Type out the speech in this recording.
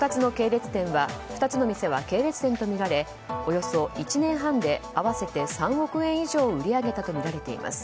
２つの店は系列店とみられおよそ１年半で合わせて３億円以上を売り上げたとみられています。